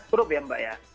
grup ya mbak ya